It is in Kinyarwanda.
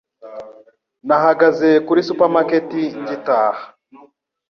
Nahagaze kuri supermarket ngitaha.